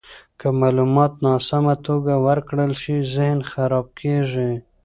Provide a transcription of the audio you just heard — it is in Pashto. که معلومات ناسمه توګه ورکړل شي، ذهن خراب کیږي.